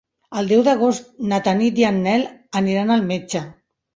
El deu d'agost na Tanit i en Nel aniran al metge.